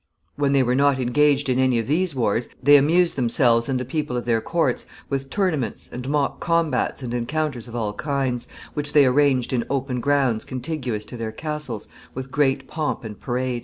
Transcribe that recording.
When they were not engaged in any of these wars they amused themselves and the people of their courts with tournaments, and mock combats and encounters of all kinds, which they arranged in open grounds contiguous to their castles with great pomp and parade.